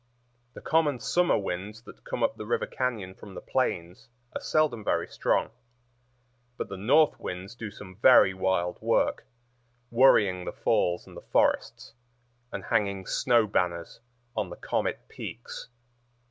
The common summer winds that come up the river cañon from the plains are seldom very strong; but the north winds do some very wild work, worrying the falls and the forests, and hanging snow banners on the comet peaks.